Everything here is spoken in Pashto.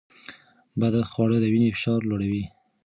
بدخواړه د وینې فشار لوړوي.